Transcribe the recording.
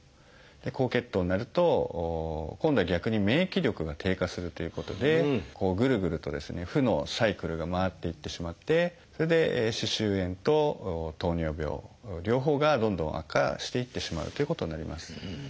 高血糖になると今度は逆に免疫力が低下するということでぐるぐるとですね負のサイクルが回っていってしまってそれで歯周炎と糖尿病両方がどんどん悪化していってしまうということになります。